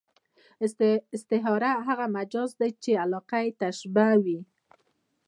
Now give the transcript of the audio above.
استعاره هغه مجاز دئ، چي علاقه ئې تشبېه يي.